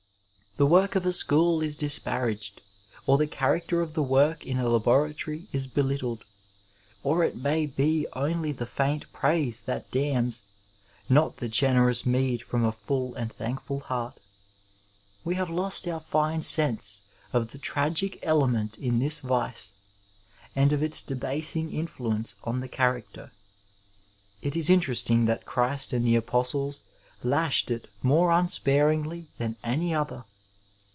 The work of a school is disparaged, or the character of the work in a laboratory is belittled ; or it may be only the faint praise that damns, not the generous meed from a full and thankful heart. We have lost our fine sense of the tragic element in this vice, and of its debasing influence on the character. It is interesting that Christ and the Apostles lashed it more unsparingly than any other.